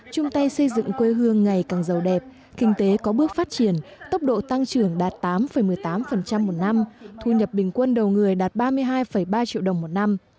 chung tay xây dựng quê hương ngày càng giàu đẹp kinh tế có bước phát triển tốc độ tăng trưởng đạt tám một mươi tám một năm thu nhập bình quân đầu người đạt ba mươi hai ba triệu đồng một năm